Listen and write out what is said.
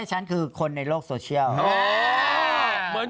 ม้ายอีกแล้วเหรอ